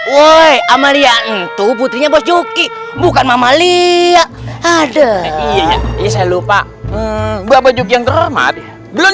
woi amalia itu putrinya bu juki bukan mama lia ada lupa bapak juki yang kermat belum